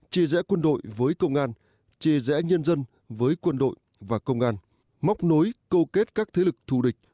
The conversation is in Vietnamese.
chia rẽ quân đội với công an chia rẽ nhân dân với quân đội và công an móc nối câu kết các thế lực thù địch